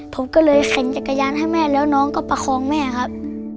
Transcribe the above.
ผมก็เลยเข็งจักรยานให้แม่แล้วน้องก็ประคองแม่ครับ